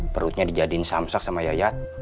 perutnya dijadiin samsak sama yayat